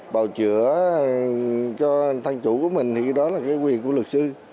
bào chữa cho thân chủ của mình thì đó là cái quyền của luật sư